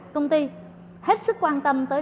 công ty hết sức quan tâm tới